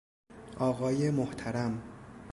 آقای محترم